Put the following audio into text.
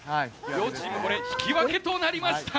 両チーム引き分けとなりました。